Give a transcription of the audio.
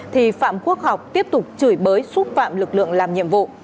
thì phạm quốc học tiếp tục chửi bới xúc phạm lực lượng làm nhiệm vụ